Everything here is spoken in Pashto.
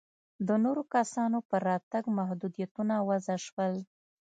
د نورو کسانو پر راتګ محدودیتونه وضع شول.